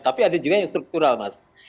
tapi ada juga yang struktural mas